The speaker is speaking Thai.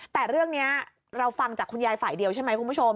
แต่เรื่องนี้เราฟังจากคุณยายฝ่ายเดียวใช่ไหมคุณผู้ชม